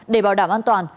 để bảo đảm an toàn